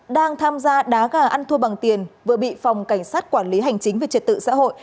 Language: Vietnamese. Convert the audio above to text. đang tham gia đá gà ăn thua bằng tiền vừa bị phòng cảnh sát quản lý hành chính về trật tự xã hội